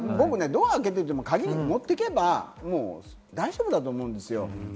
ドアを開けてても鍵を持っていけば大丈夫だと思うんですよ。